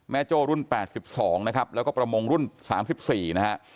โจ้รุ่น๘๒นะครับแล้วก็ประมงรุ่น๓๔นะฮะ